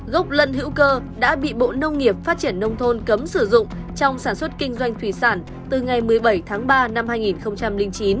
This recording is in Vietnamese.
gốc lân hữu cơ đã bị bộ nông nghiệp phát triển nông thôn cấm sử dụng trong sản xuất kinh doanh thủy sản từ ngày một mươi bảy tháng ba năm hai nghìn chín